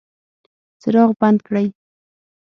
څراغ بند کړئ